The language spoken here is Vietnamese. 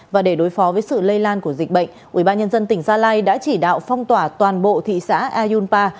và để đối phó với sự lây lan của dịch bệnh ubnd tỉnh gia lai đã chỉ đạo phong tỏa toàn bộ thị xã ayunpa